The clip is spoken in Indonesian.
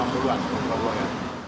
bentur lagi sampai ke tiga puluh